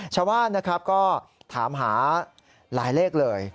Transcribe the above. ชาวบ้านก็ถามหาหลายเลขเลย